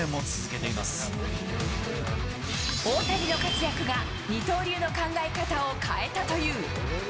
大谷の活躍が、二刀流の考え方を変えたという。